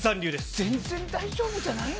全然大丈夫じゃないの？